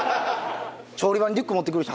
調理場にリュック持ってくる人